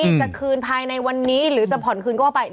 จะคืนภายในวันนี้หรือจะผ่อนคืนก็ว่าไป